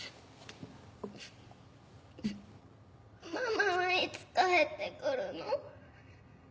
ママはいつ帰って来るの？